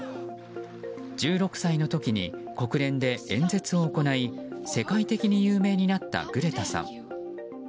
１６歳の時に、国連で演説を行い世界的に有名になったグレタさん。